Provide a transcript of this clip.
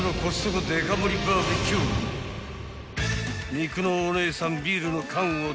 ［肉のお姉さんビールの缶を手に取り］